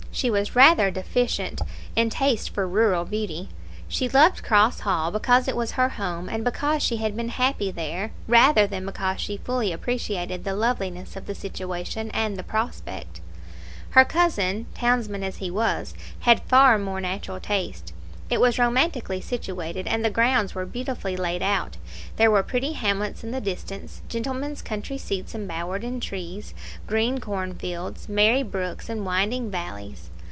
She was rather deficient in taste for rural beauty. She loved Cross Hall because it was her home, and because she had been happy there, rather than because she fully appreciated the loveliness of the situation and the prospect. Her cousin, townsman as he was, had far more natural taste. It was romantically situated, and the grounds were beautifully laid out; there were pretty hamlets in the distance, gentlemen's country seats embowered in trees, green cornfields, merry brooks, and winding valleys.